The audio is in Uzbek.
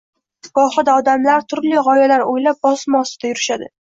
Gohida odamlar turli gʻoyalar oʻylab, bosim ostida yurishadi.